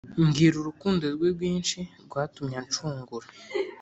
Mbwira urukundo rwe rwinshi rwatumye anshungura